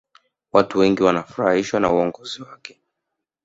watu wengi wanafurahishwa na uongozi wake